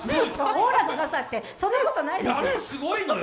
オーラなんて、そんなことないですよ。